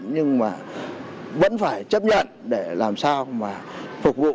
nhưng mà vẫn phải chấp nhận để làm sao mà phục vụ